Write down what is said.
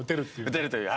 打てるという。